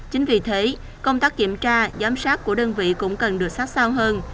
chính vì thế công tác kiểm tra giám sát của đơn vị cũng cần được sát sao hơn